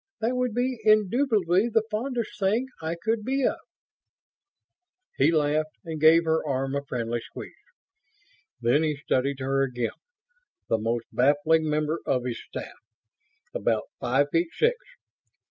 "That would be indubitably the fondest thing I could be of." He laughed and gave her arm a friendly squeeze. Then he studied her again, the most baffling member of his staff. About five feet six.